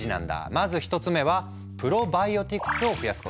まず１つ目はプロバイオティクスを増やすこと。